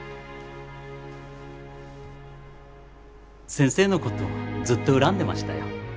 先生のことずっと恨んでましたよ。